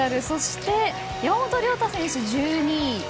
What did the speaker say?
そして山本涼太選手は１２位。